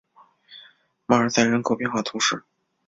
马尔赛人口变化图示